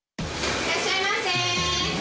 いらっしゃいませ。